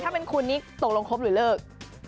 ถ้าเป็นคุณนี่ตกลงครบหรือเลิก